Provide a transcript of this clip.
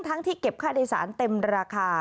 ที่เก็บค่าโดยสารเต็มราคา